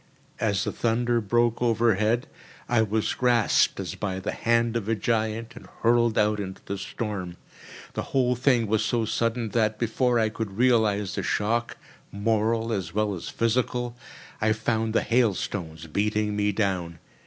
As the thunder broke overhead, I was grasped as by the hand of a giant and hurled out into the storm. The whole thing was so sudden that, before I could realise the shock, moral as well as physical, I found the hailstones beating me down.